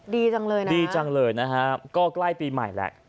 ดีจังเลยนะดีจังเลยนะฮะก็ใกล้ปีใหม่แหละ